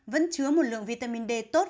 vẫn chứa một lượng vitamin d tốt